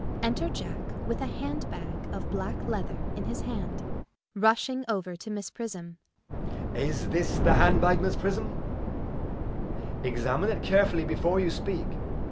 [Enter Jack with a hand bag of black leather in his hand.] JACK. [Rushing over to Miss Prism.] Is this the hand bag, Miss Prism? Examine it carefully before you speak.